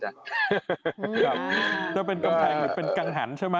จะเป็นกำแพงกันฝันใช่ไหม